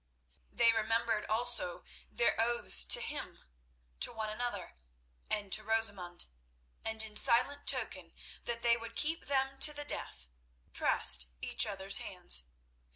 They remembered also their oaths to him, to one another, and to Rosamund; and in silent token that they would keep them to the death, pressed each other's hands.